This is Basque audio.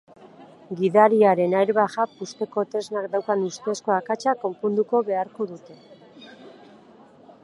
Gidariaren airbag-a puzteko tresnak daukan ustezko akatsa konponduko beharko dute.